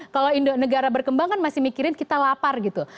kalau negara berkembang kan masih mikirin kita lapar gitu